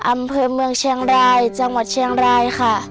อำเภอเมืองเชียงรายจังหวัดเชียงรายค่ะ